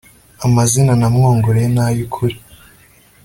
Amazina namwongoreye ni ay ukuri